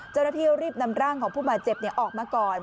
เจ้าหน้าที่รีบนำร่างของผู้บาดเจ็บออกมาก่อน